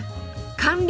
完了！